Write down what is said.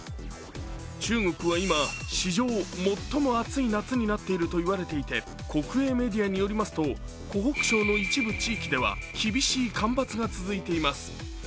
中国は今、史上最も暑い夏になっているといわれていて国営メディアによりますと、湖北省の一部地域では厳しい干ばつが続いています。